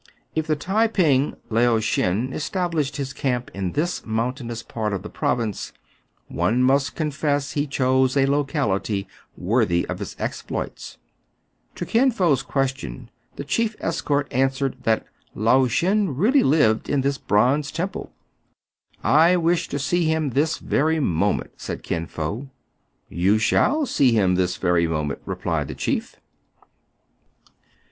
If the Tai ping Lao Shen established his camp in this mountainous part of the province, one must confess he chose a locality worthy of' his exploits. To Kin Fo's question, the chief escort answered that Lao Shen really lived in this bonze temple. WHICH THE READER MIGHT HA VE WRITTEH, 261 " I wish to see him this very moment," . said Kin Fo. " You shall see him this very moment," replied the chief.